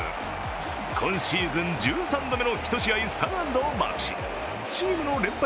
今シーズン１３度目の１試合３安打をマークしチームの連敗